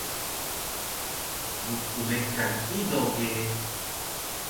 Mpmekan ido ge